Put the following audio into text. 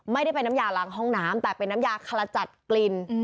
ไม่ได้เป็นน้ำยาล้างห้องน้ำแต่เป็นน้ำยาคละจัดกลิ่น